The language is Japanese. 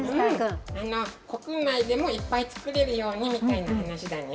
国内でもいっぱい作れるようにという話だにゅ。